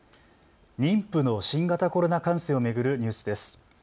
妊婦の新型コロナ感染を巡るニュースです。